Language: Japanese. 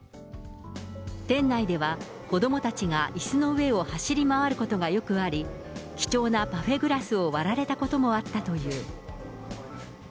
店内では子どもたちがいすの上を走り回ることがよくあり、貴重なパフェグラスを割られたこともあったという。